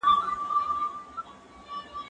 زه له سهاره د لوبو لپاره وخت نيسم